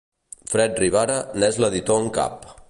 Fred Rivara n'és l'editor en cap.